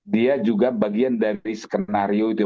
dia juga bagian dari skenario itu